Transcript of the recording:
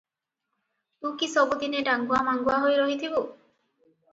ତୁ କି ସବୁ ଦିନେ ଡାଙ୍ଗୁଆ ମାଙ୍ଗୁଆ ହୋଇ ରହିଥିବୁ?